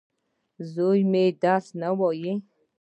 زوی مي درس نه وايي.